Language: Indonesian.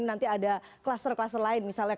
nanti ada kluster kluster lain misalnya